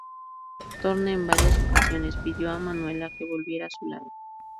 Thorne en varias ocasiones pidió a Manuela que volviera a su lado.